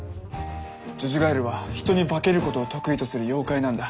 呪々ガエルは人に化けることを得意とする妖怪なんだ。